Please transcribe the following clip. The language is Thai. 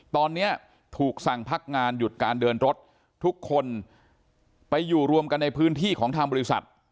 ตอนนี้ถูกสั่งพักงานหยุดการเดินรถทุกคนไปอยู่รวมกันในพื้นที่ของทางบริษัท